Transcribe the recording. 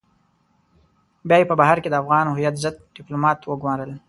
بيا يې په بهر کې د افغان هويت ضد ډيپلومات وگمارل.